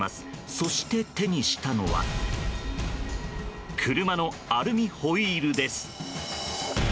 そして、手にしたのは車のアルミホイールです。